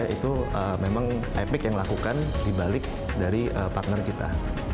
itu memang epic yang dilakukan dibalik dari partner kita